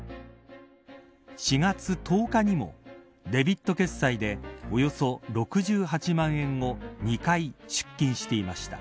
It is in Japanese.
４月１０日にもデビット決済でおよそ６８万円を２回出金していました。